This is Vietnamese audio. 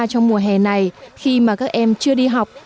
trong mùa hè này khi mà các em chưa đi học